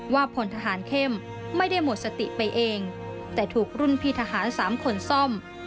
พลทหารเข้มไม่ได้หมดสติไปเองแต่ถูกรุ่นพี่ทหาร๓คนซ่อม